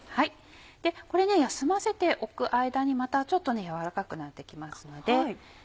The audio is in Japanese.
これ休ませておく間にまたちょっと軟らかくなって来ますので。